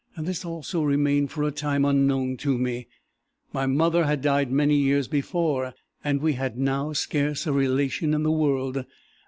This also remained for a time unknown to me. My mother had died many years before, and we had now scarce a relation in the world.